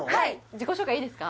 自己紹介いいですか？